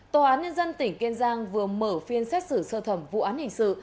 tòa án nhân dân tỉnh kiên giang vừa mở phiên xét xử sơ thẩm vụ án hình sự